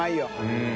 うん。